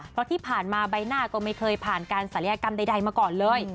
เพราะที่ผ่านมาใบหน้าก็ไม่เคยผ่านการศัลยกรรมใดมาก่อนเลย